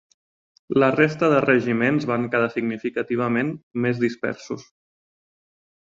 La resta de regiments van quedar significativament més dispersos.